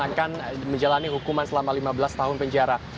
akan menjalani hukuman selama lima belas tahun penjara